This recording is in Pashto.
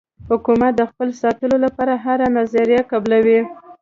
حکومت د خپل ساتلو لپاره هره نظریه قبلوي.